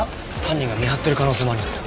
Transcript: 犯人が見張ってる可能性もあります。